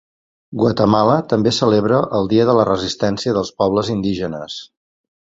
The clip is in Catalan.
Guatemala també celebra el dia de la Resistència dels Pobles Indígenes.